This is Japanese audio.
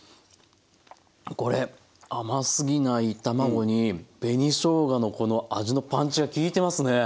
これ甘すぎない卵に紅しょうがのこの味のパンチがきいてますね。